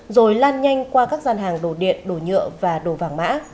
rồi lan nhanh qua các gian hàng đồ điện đồ nhựa và đồ vàng mã